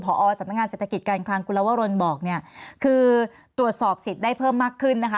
พอสำนักงานเศรษฐกิจการคลังกุลวรนบอกเนี่ยคือตรวจสอบสิทธิ์ได้เพิ่มมากขึ้นนะคะ